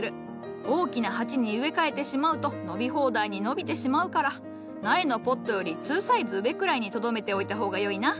大きな鉢に植え替えてしまうと伸び放題に伸びてしまうから苗のポットより２サイズ上くらいにとどめておいた方がよいな。